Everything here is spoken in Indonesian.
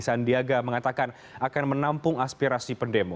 sandiaga mengatakan akan menampung aspirasi pendemo